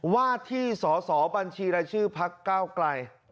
ว่าที่สอสอบัญชีรายชื่อพักเก้าไกล